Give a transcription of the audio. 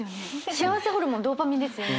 幸せホルモンドーパミンですよね？